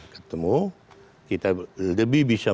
ketemu kita lebih bisa